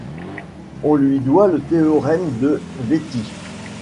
On lui doit le théorème de Beatty.